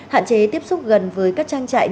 hạn chế tiếp xúc gần với các trang trại